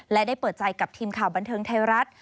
และได้เปิดใจกับทีมข่าวบันเทิงไทยรัฐ